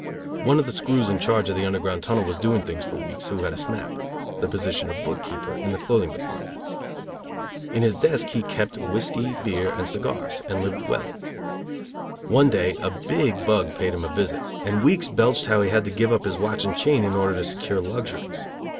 One of the screws in charge of the Underground Tunnel was doing things for Weeks, who had a snap, the position of book keeper, in the clothing department. In his desk he kept whiskey, beer and cigars, and lived well. One day a big bug paid him a visit, and Weeks belched how he had to give up his watch and chain in order to secure luxuries.